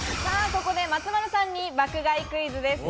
ここで松丸さんに爆買いクイズです。